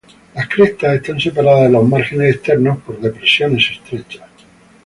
Las crestas están separadas de los márgenes externos por depresiones estrechas.